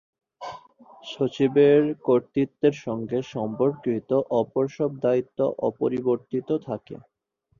সচিবের কর্তৃত্বের সঙ্গে সম্পর্কিত অপর সব দায়িত্ব অপরিবর্তিত থাকে।